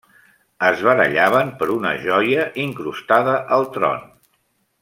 Es barallaven per una joia incrustada al tron.